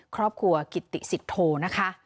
ครอบครัวกิตติศิษย์โทนะคะ